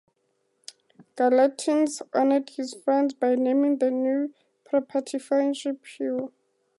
Gallatin honored his friends by naming the new property Friendship Hill.